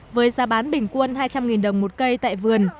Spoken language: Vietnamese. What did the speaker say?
với giá bán bình quân hai trăm linh đồng một cây tại vườn